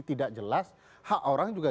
tidak jelas hak orang juga